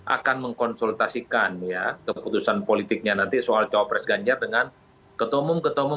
akan mengkonsultasikan ya keputusan politiknya nanti soal cowok pres ganjar dengan ketumum ketumum